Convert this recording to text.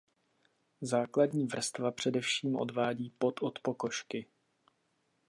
Základní vrstva především odvádí pot od pokožky.